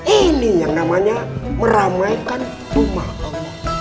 ini yang namanya meramaikan rumah allah